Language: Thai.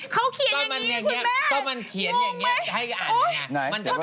เขาเขียนอย่างนี้คุณแม่มองไหม